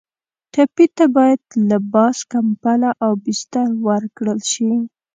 ټپي ته باید لباس، کمپله او بستر ورکړل شي.